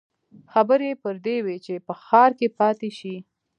خبرې يې پر دې وې چې په ښار کې پاتې شي.